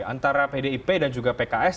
antara pdip dan juga pks